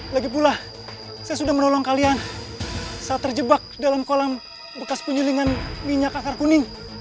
lagipula saya sudah menolong kalian saat terjebak dalam kolam bekas penyelingan minyak akar kuning